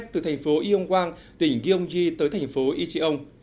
từ thành phố yonhwang tỉnh gyeonggi tới thành phố ycheong